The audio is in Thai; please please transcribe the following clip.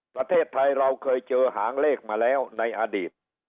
ประเทศไทยเราเคยเจอหางเลขมาแล้วในอดีต